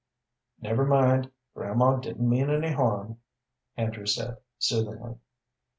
"Never mind, grandma didn't mean any harm," Andrew said, soothingly.